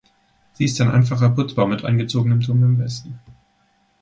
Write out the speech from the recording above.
Sie ist ein einfacher Putzbau mit eingezogenem Turm im Westen.